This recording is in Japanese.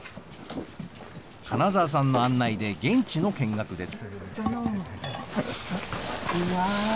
金澤さんの案内で現地の見学です。